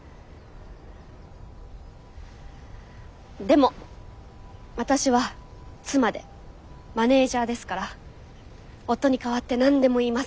でも私は妻でマネージャーですから夫に代わって何でも言います。